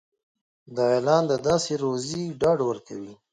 دا اعلان د داسې روزي ډاډ ورکوي.